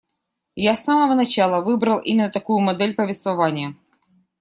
Я с самого начала выбрал именно такую модель повествования.